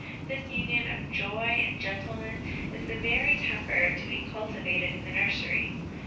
This union of joy and gentleness is the very temper to be cultivated in the nursery.